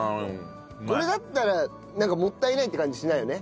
これだったらなんかもったいないって感じしないよね。